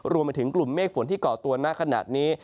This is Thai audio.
รวมมาถึงกลุ่มเมฆฝนที่เกาะตัวหน้าขนาดนี้